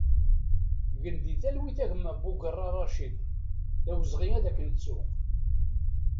Gen di talwit a gma Bugerra Racid, d awezɣi ad k-nettu!